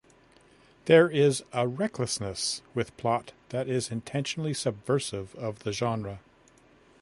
There is a recklessness with plot that is intentionally subversive of the genre.